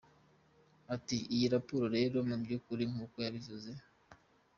Ati “Iyi raporo rero muby’ukuri nk’uko nabivuze.